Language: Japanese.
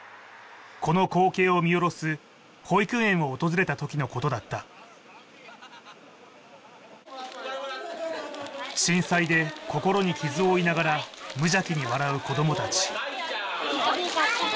この光景を見下ろす保育園を訪れた時のことだった震災で心に傷を負いながら無邪気に笑う子ども達ありがと